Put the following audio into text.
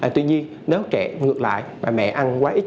tuy nhiên nếu trẻ ngược lại và mẹ ăn quá ít